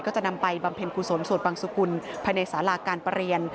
จะนำไปบำเพ็ญกุศลสวดบังสุกุลภายในสาราการประเรียน